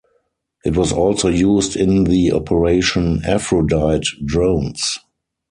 It was also used in the Operation Aphrodite drones.